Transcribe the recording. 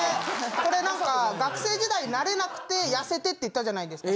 これなんか学生時代なれなくてやせてって言ったじゃないですか。